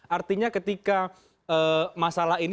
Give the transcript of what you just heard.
artinya ketika masalah ini